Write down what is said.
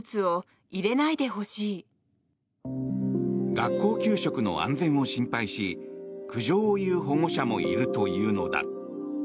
学校給食の安全を心配し苦情を言う保護者もいるというのだ。